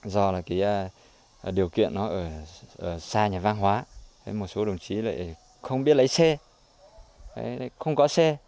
do là cái điều kiện nó ở xa nhà văn hóa một số đồng chí lại không biết lấy xe không có xe